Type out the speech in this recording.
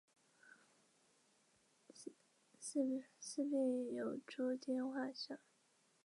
四壁有诸天画像。